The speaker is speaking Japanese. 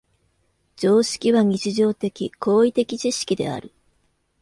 常識は日常的・行為的知識である。